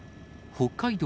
北海道